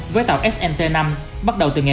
với tàu snt năm bắt đầu từ ngày một